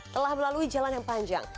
telah melalui jalan yang panjang